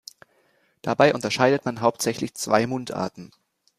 Dabei unterscheidet man hauptsächlich zwei Mundarten.